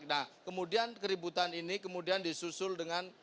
nah kemudian keributan ini kemudian disusul dengan